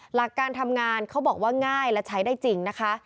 หลักการทำงานเขาบอกว่าง่ายและใช้ได้จริงนะคะ